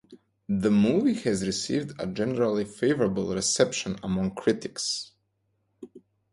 The movie received a generally favorable reception among critics.